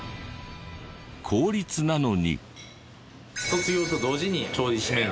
公立なのに。